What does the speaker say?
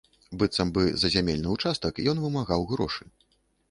Быццам бы за зямельны ўчастак ён вымагаў грошы.